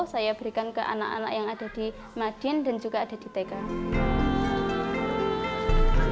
saya berikan ke anak anak yang ada di madin dan juga ada di tk